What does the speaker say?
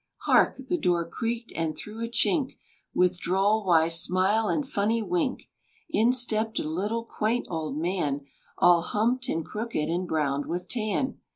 Hark! the door creaked, and through a chink, With droll wise smile and funny wink, In stepped a little quaint old man, All humped, and crooked, and browned with tan.